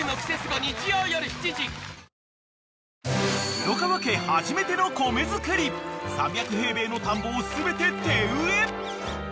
［廣川家初めての米作り３００平米の田んぼを全て手植え］